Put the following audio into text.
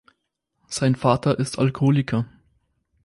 Sein Vater ist Alkoholiker.